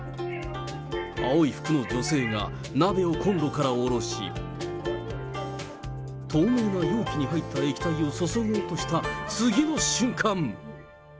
青い服の女性が鍋をコンロから下ろし、透明な容器に入った液体を注ごうとした、次の瞬間。